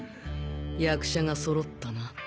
役者が揃ったな